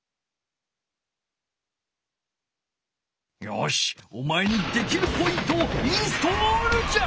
よしおまえにできるポイントをインストールじゃ！